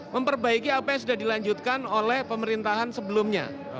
memperbaiki apa yang sudah dilanjutkan oleh pemerintahan sebelumnya